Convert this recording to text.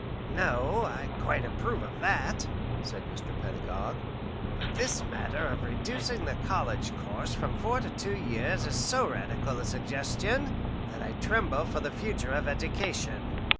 "No, I quite approve of that," said Mr. Pedagog; "but this matter of reducing the college course from four to two years is so radical a suggestion that I tremble for the future of education."